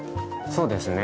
そうですね。